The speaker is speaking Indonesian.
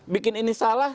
bikin ini salah